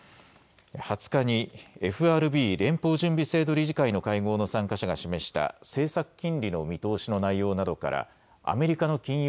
２０日にＦＲＢ・連邦準備制度理事会の会合の参加者が示した政策金利の見通しの内容などからアメリカの金融